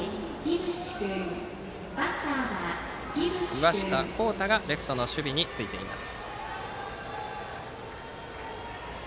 岩下孝汰がレフトの守備についています。